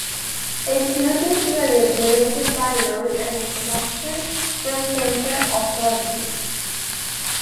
His duties were regulated by laws and instructions from central authorities.